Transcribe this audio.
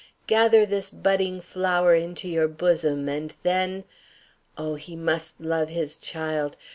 Gather this budding flower into your bosom, and then Oh, he must love his child!